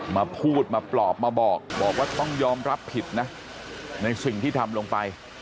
มาพูดมาปลอบมาบอกบอกว่าต้องยอมรับผิดนะในสิ่งที่ทำลงไป